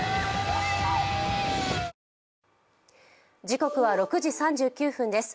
時刻は６時３９分です。